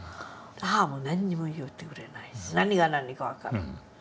母も何にも言ってくれないし何が何か分からない。